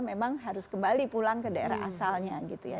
memang harus kembali pulang ke daerah asalnya gitu ya